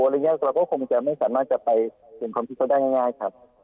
เราก็คงจะไม่สามารถจะไปเห็นความพิสูจน์ได้ง่ายครับ